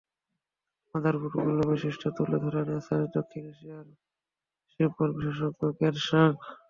মাদারবোর্ডগুলোর বৈশিষ্ট্য তুলে ধরেন এমএসআই দক্ষিণ এশিয়ার বিপণন বিশেষজ্ঞ কেন সাং।